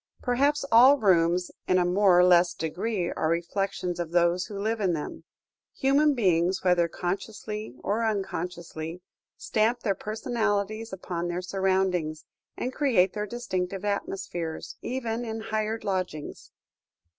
Perhaps all rooms in a more or less degree are reflections of those who live in them: human beings, whether consciously or unconsciously, stamp their personalities upon their surroundings, and create their distinctive atmospheres, even in hired lodgings.